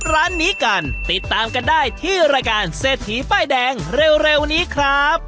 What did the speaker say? ร้านนี้กันติดตามกันได้ที่รายการเศรษฐีป้ายแดงเร็วนี้ครับ